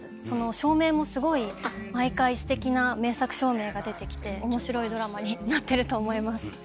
その照明もすごい毎回ステキな名作照明が出てきて面白いドラマになってると思います。